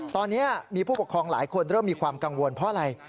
ตอนนี้มีผู้ปกครองหลายคนเริ่มมีความกังวลเพราะอะไร